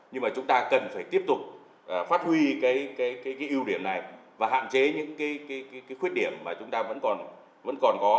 nhưng mà chúng ta cần phải tiếp tục phát huy cái ưu điểm này và hạn chế những cái khuyết điểm mà chúng ta vẫn còn vẫn còn có